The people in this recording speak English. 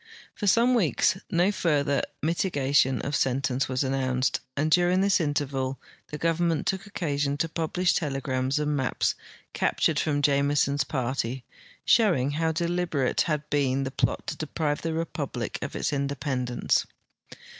For some weeks no further miti gation of sentence was announced, and during this interval the government took occasion to imhlish telegrams and mai)S cap tured from Jameson's party, showing hoAV delil)erate had been the ])lot to de})rive the repul)lic of its inde))endence.